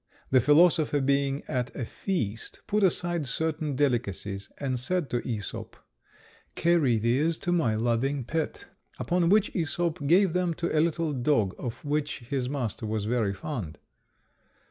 The philosopher, being at a feast, put aside certain delicacies, and said to Æsop, "Carry these to my loving pet;" upon which Æsop gave them to a little dog of which his master was very fond.